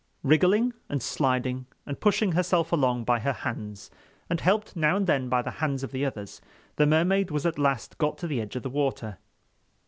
Wriggling and sliding and pushing herself along by her hands, and helped now and then by the hands of the others, the Mermaid was at last got to the edge of the water.